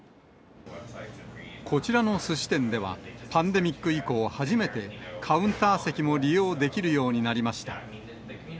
こちらのすし店では、パンデミック以降、初めて、カウンター席も利用できるようになりました。